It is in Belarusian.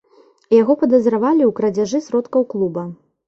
Яго падазравалі ў крадзяжы сродкаў клуба.